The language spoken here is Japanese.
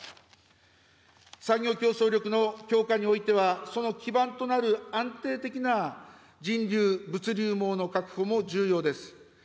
産業競争力の強化においては、その基盤となる安定的な人流・物流網の確保も重要です。